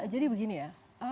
jadi begini ya